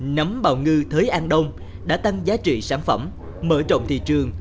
nấm bào ngư thới an đông đã tăng giá trị sản phẩm mở rộng thị trường